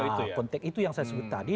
nah konteks itu yang saya sebut tadi